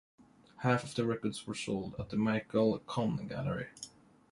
Half of the records were sold at the Michael Kohn gallery.